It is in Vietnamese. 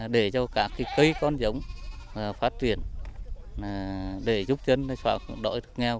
để cho các cây con giống phát triển để giúp dân xóa đổi nghèo